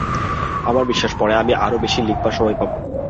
আমার বিশ্বাস, পরে আমি আরও বেশী লিখবার সময় পাব।